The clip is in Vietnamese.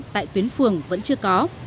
tại tuyến phường vẫn chưa có